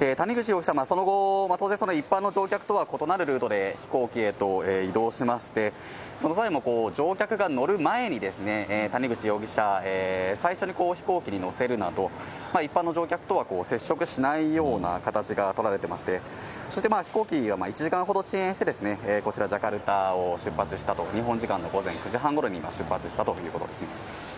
谷口容疑者、その後、当然、一般の乗客とは異なるルートで飛行機へと移動しまして、その際も、乗客が乗る前に、谷口容疑者、最初に飛行機に乗せるなど、一般の乗客とは接触しないような形が取られてまして、そして飛行機が１時間ほど遅延して、こちら、ジャカルタを出発したと、日本時間の午前９時半ごろに出発したということです。